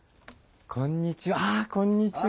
こんにちは。